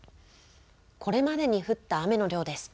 これまでに降った雨の量です。